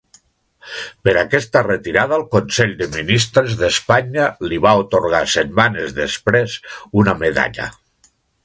Per aquesta retirada el Consell de Ministres d'Espanya li va atorgar setmanes després una medalla.